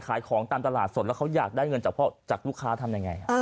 ขายของตามตลาดสดแล้วเขาอยากได้เงินจากลูกค้าทำยังไง